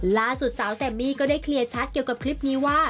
ล่าสุดสาวแซมมี่ก็ได้เคลียร์ชัดเกี่ยวกับคลิปนี้ว่า